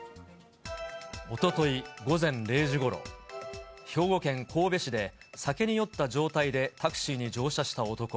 おととい午前０時ごろ、兵庫県神戸市で酒に酔った状態でタクシーに乗車した男。